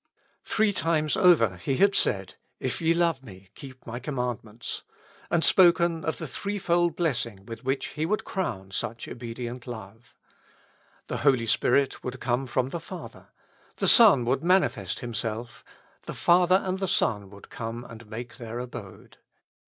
Three times over He had said, " If ye love me, keep my commandments," and spoken of the i68 With Christ in the School of Prayer. tlireefold blessing with which He would crown such obedient love. The Holy Spirit would come from the Father ; the Son would manifest Himself ; the Father and the Son would come and make their abode.